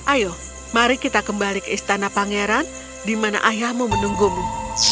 ayo mari kita kembali ke istana pangeran di mana ayahmu menunggumu